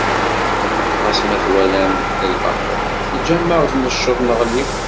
Ɣas ma twalam d lbaṭel, teǧǧam-aɣ, necceḍ neɣli.